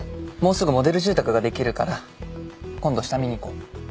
もうすぐモデル住宅ができるから今度下見に行こう。